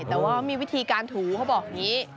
แต่ว่ามีวิธีการถูเขาบอกอย่างนี้